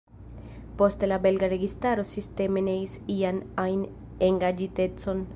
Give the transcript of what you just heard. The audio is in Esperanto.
Poste la belga registaro sisteme neis ian ajn engaĝitecon.